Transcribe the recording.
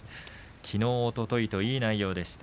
きのうおとといといい内容でした。